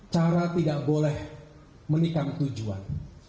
cara tidak boleh menikam tujuan